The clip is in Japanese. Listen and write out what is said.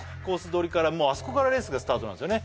取りからもうあそこからレースがスタートなんですよね